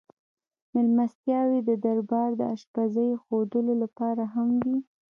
مېلمستیاوې د دربار د اشپزۍ ښودلو لپاره هم وې.